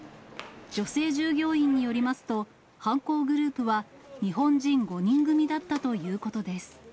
女性従業員によりますと、犯行グループは日本人５人組だったということです。